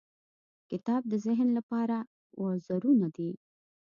• کتاب د ذهن لپاره وزرونه دي.